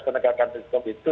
ketegakan hukum itu